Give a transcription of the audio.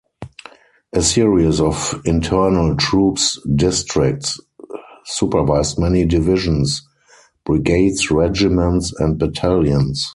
A series of Internal Troops districts supervised many divisions, brigades, regiments, and battalions.